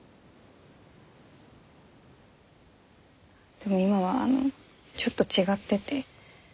でも今はあのちょっと違ってて。